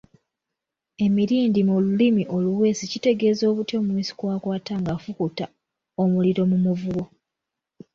Emirindi mu lulimi oluweesi kitegeeza obuti omuweesi kwa'kwata ngáfukuta omuliro mu muvubo.